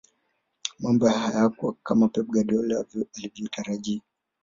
mambo hayakuwa kama pep guardiola alivyotarajia